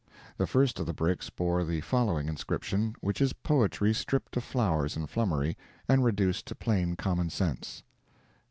The first of the bricks bore the following inscription, which is poetry stripped of flowers and flummery, and reduced to plain common sense: "No.